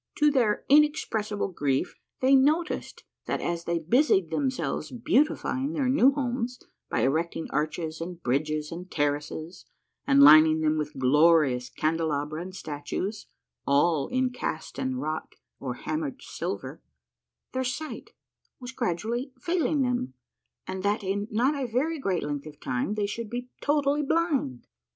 To their inexpressible grief, they noticed that as they busied themselves beautifying their new homes by erecting arches and bridges and terraces, and lining them with glorious candelabra and statues, all in cast and wrought or hammered silver, their sight was gradually failing them, and that in not a very great length of time they should be totally blind.